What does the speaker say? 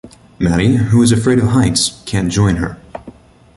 Maddie, who is afraid of heights, can't join her.